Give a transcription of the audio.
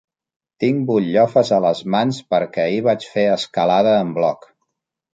Tinc butllofes a les mans perquè ahir vaig fer escalada en bloc.